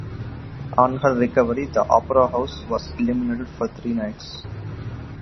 On her recovery the opera house was illuminated for three nights.